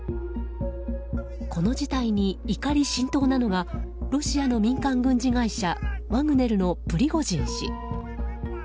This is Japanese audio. この事態に怒り心頭なのがロシアの民間軍事会社ワグネルのプリゴジン氏。